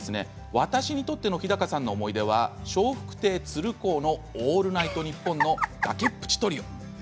私にとっての日高さんの思い出は笑福亭鶴光の「オールナイトニッポン」の崖っぷちトリオです。